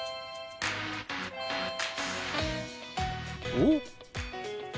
おっ！